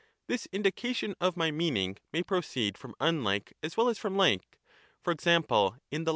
This indication of my meaning may proceed from unlike as well as from like, for example in the